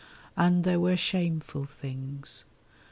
And there were shameful things.